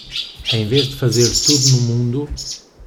Em vez de fazer tudo no mundo